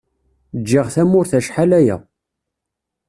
Ǧǧiɣ tamurt acḥal aya.